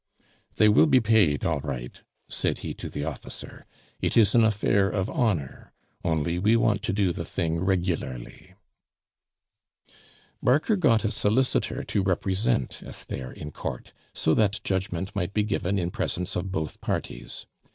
"They will be paid all right," said he to the officer. "It is an affair of honor; only we want to do the thing regularly." Barker got a solicitor to represent Esther in court, so that judgment might be given in presence of both parties.